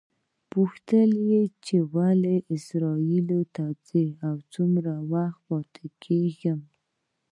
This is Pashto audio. پوښتل یې چې ولې اسرائیلو ته ځم او څومره وخت پاتې کېږم.